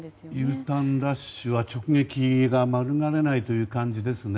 Ｕターンラッシュは直撃が免れない感じですね。